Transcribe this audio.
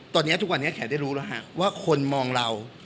ตอนนี้ทุกวันนี้แขกได้รู้แล้วว่าคนมองเรา